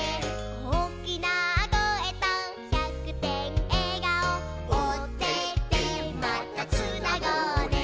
「おおきなこえと１００てんえがお」「オテテまたつなごうね」